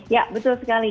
ya betul sekali